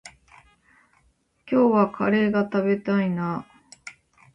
今日はカレーが食べたいな。